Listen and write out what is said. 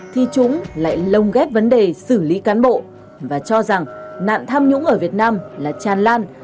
thì chúng lại lồng ghép vấn đề xử lý cán bộ và cho rằng nạn tham nhũng ở việt nam là tràn lan